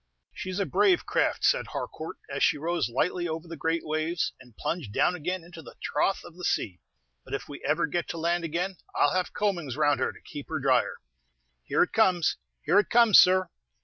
"She's a brave craft," said Harcourt, as she rose lightly over the great waves, and plunged down again into the trough of the sea; "but if we ever get to land again, I'll have combings round her to keep her dryer." "Here it comes! here it comes, sir!"